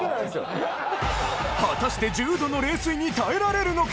果たして１０℃の冷水に耐えられるのか？